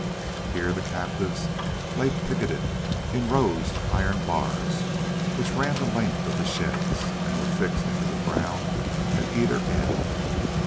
Here the captives lay picketed in rows to iron bars which ran the length of the sheds, and were fixed into the ground at either end.